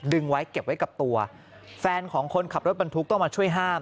ไว้เก็บไว้กับตัวแฟนของคนขับรถบรรทุกต้องมาช่วยห้าม